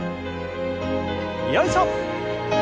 よいしょ！